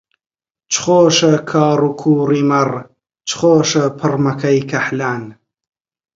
چ خۆشە کاڕ و کووڕی مەڕ، چ خۆشە پڕمەکەی کەحلان